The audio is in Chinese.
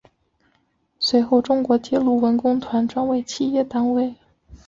随后中国铁路文工团转为企业单位。